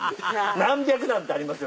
何百段ってありますよ。